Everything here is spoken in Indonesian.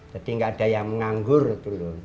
jadi nggak ada yang menganggur gitu loh